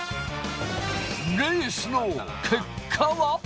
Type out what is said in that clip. レースの結果は？